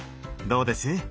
どうです？